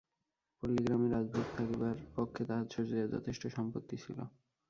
পল্লীগ্রামে রাজভোগে থাকিবার পক্ষে তাহার শ্বশুরের যথেষ্ট সম্পত্তি ছিল।